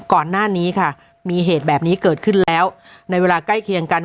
ก่อนหน้านี้ค่ะมีเหตุแบบนี้เกิดขึ้นแล้วในเวลาใกล้เคียงกัน